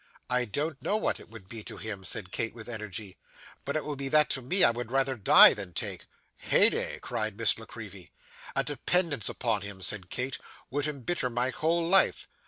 'I don't know what it would be to him,' said Kate, with energy, 'but it would be that to me I would rather die than take.' 'Heyday!' cried Miss La Creevy. 'A dependence upon him,' said Kate, 'would embitter my whole life.